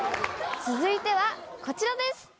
続いてはこちらです。